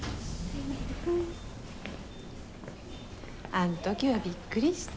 あん時はびっくりした。